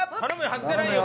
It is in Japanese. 外せないよ